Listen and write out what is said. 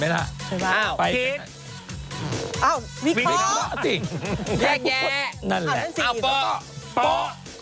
ในวิเคราะห์แยกนั่นแหละโป๊ะสวัสดีค่ะ